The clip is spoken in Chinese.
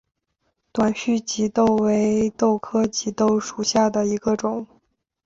短序棘豆为豆科棘豆属下的一个种。